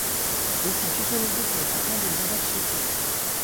Ils sont utilisés pour le traitement du diabète sucré.